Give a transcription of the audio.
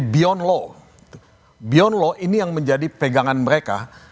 beyond law ini yang menjadi pegangan mereka